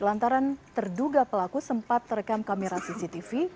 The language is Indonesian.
lantaran terduga pelaku sempat terekam kamera cctv